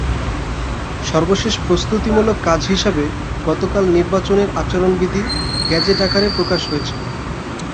সর্বশেষ প্রস্তুতিমূলক কাজ হিসেবে গতকাল নির্বাচনের আচরণবিধি গেজেট আকারে প্রকাশ হয়েছে।